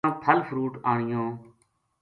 نہ پھل فروٹ آنیوں